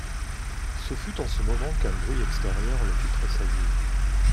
Ce fut en ce moment qu'un bruit extérieur le fit tressaillir.